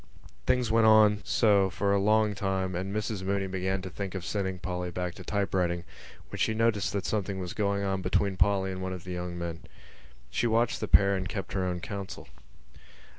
Things went on so for a long time and Mrs Mooney began to think of sending Polly back to typewriting when she noticed that something was going on between Polly and one of the young men. She watched the pair and kept her own counsel.